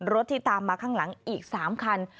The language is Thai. รถที่ตามมาข้างหลังอีก๓คัน